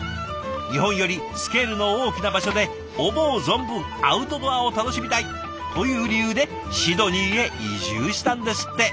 日本よりスケールの大きな場所で思う存分アウトドアを楽しみたい！という理由でシドニーへ移住したんですって。